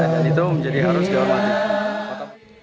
dan itu menjadi harus dianggap